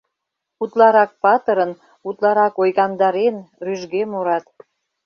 Утларак патырын, утларак ойгандарен, рӱжге мурат: